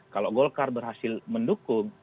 kalau golkar berhasil mendukung